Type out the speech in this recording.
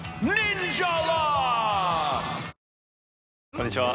こんにちは。